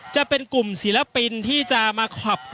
อย่างที่บอกไปว่าเรายังยึดในเรื่องของข้อ